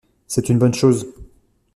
C’est une bonne chose.